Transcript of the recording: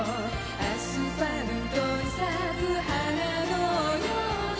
「アスファルトに咲く花のように」